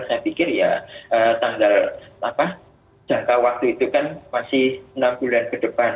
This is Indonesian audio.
saya pikir ya tanggal jangka waktu itu kan masih enam bulan ke depan